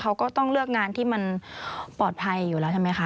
เขาก็ต้องเลือกงานที่มันปลอดภัยอยู่แล้วใช่ไหมคะ